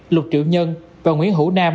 lục triệu nhân và nguyễn hữu nam